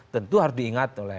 tentu harus diingat oleh